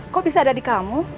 kok bisa ada di kamu